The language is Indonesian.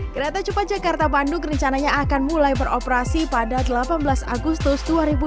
kereta cepat jakarta bandung rencananya akan mulai beroperasi pada delapan belas agustus dua ribu dua puluh